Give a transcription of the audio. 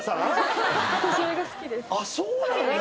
あっそうなんだ！